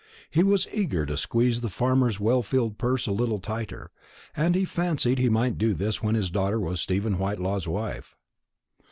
He was eager to squeeze the farmer's well filled purse a little tighter, and he fancied he might do this when his daughter was Stephen Whitelaw's wife.